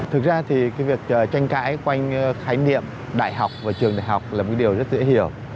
thực ra thì cái việc tranh cãi quanh khái niệm đại học và trường đại học là một điều rất dễ hiểu